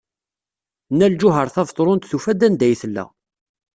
Nna Lǧuheṛ Tabetṛunt tufa-d anda ay tella.